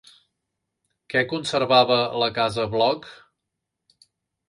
Què conservava la casa Bloc?